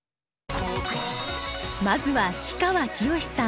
まずは氷川きよしさん。